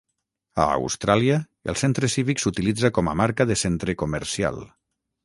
A Austràlia, el centre cívic s'utilitza com a marca de centre comercial.